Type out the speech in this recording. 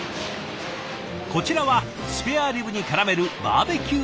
こちらはスペアリブにからめるバーベキューソースだそう。